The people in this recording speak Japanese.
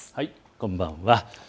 こんばんは。